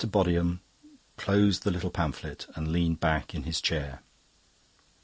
Bodiham closed the little pamphlet and leaned back in his chair.